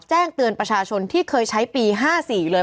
แจ้งเตือนประชาชนที่เคยใช้ปี๕๔เลย